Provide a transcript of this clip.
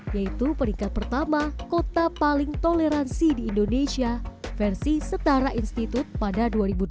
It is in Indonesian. yaitu peringkat pertama kota paling toleransi di indonesia versi setara institut pada dua ribu delapan belas